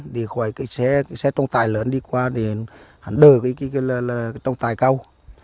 để khỏi cái xe trong tài lớn đi qua để đỡ cái trong tài cầu